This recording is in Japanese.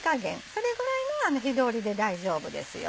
それぐらいの火通りで大丈夫ですよ。